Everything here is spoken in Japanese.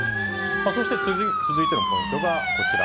そして、続いてのポイントがこちら。